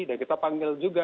dan kita panggil juga